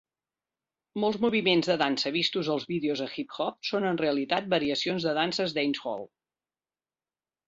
Molts moviments de dansa vistos als vídeos de hip hop són en realitat variacions de danses dancehall.